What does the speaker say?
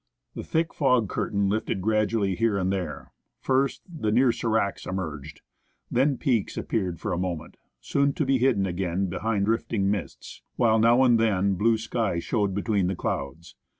The thick fog curtain lifted gradually here and there ; first, the near sdracs emerged, then peaks appeared for a moment, soon to be hidden again behind drifting mists, while now and then blue sky showed between the clouds.